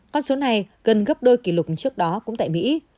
con số này gần gấp đôi kỷ lục trước đó cũng tại mỹ